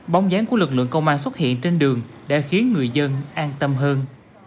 bóng dáng của lực lượng công an xuất hiện trên đường đã khiến người dân an tâm hơn